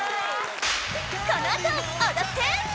このあと踊って！